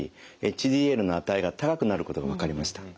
ＨＤＬの値が高くなることが分かりました。